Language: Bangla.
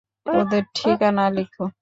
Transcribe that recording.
ওদের ঠিকানা লিখ।